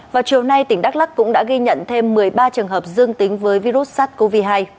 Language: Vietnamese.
vào chiều nay tỉnh đắk lắc cũng đã ghi nhận thêm một mươi ba trường hợp dương tính với virus sars cov hai